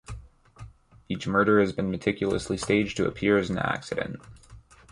Each murder has been meticulously staged to appear as an accident.